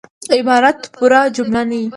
عبارت پوره جمله نه يي.